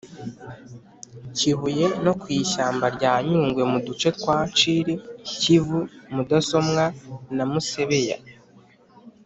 kibuye no ku ishyamba rya nyungwe mu duce twa nshiri, kivu, mudasomwa na musebeya